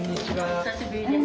お久しぶりです。